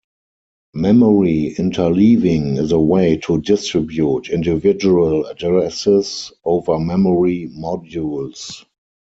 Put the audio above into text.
Memory interleaving is a way to distribute individual addresses over memory modules.